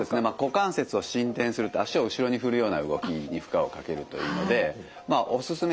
股関節を伸展するって足を後ろに振るような動きに負荷をかけるというのでおすすめ一番